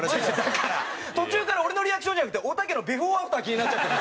だから途中から俺のリアクションじゃなくておたけのビフォーアフター気になっちゃってる。